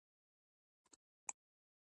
ښه نوم په یوه ورځ نه جوړېږي.